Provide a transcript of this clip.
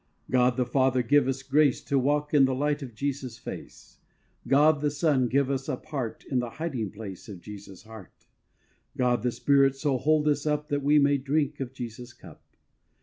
God the Father give us grace To walk in the light of Jesus' Face. God the Son give us a part In the hiding place of Jesus' Heart: God the Spirit so hold us up That we may drink of Jesus' cup.